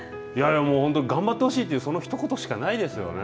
本当に頑張ってほしいというそのひと言しかないですよね。